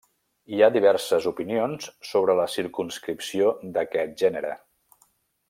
Hi ha diverses opinions sobre la circumscripció d'aquest gènere.